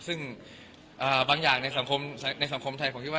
ซึ่งบางอย่างในสังคมไทยผมคิดว่า